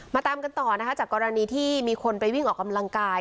ตามกันต่อนะคะจากกรณีที่มีคนไปวิ่งออกกำลังกาย